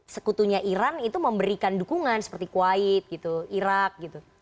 sekutunya iran itu memberikan dukungan seperti kuwait gitu irak gitu